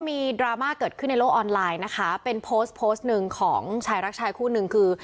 ดราม่าเกิดขึ้นในโลกออนไลน์นะคะเป็นโพสต์โพสต์หนึ่งของชายรักชายคู่หนึ่งคือ